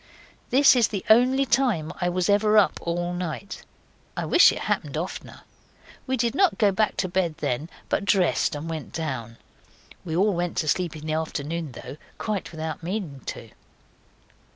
This is the only time I was ever up all night. I wish it happened oftener. We did not go back to bed then, but dressed and went down. We all went to sleep in the afternoon, though. Quite without meaning to.